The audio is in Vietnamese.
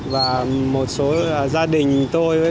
và một số gia đình tôi với cả các bạn đã đánh thức nhau